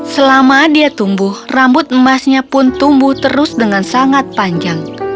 selama dia tumbuh rambut emasnya pun tumbuh terus dengan sangat panjang